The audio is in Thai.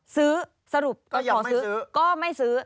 สรุปก็ขอซื้อก็ไม่ซื้อ